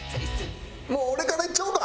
もう俺からいっちゃおうか。